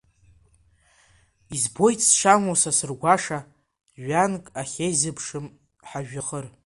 Избоит сшамоу са сыргәаша, жәҩанк ахьазеиԥшым ҳажәҩахыр.